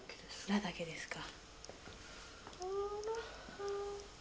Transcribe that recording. ラだけですか。